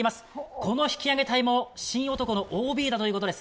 この引き上げ隊も神男のＯＢだということです。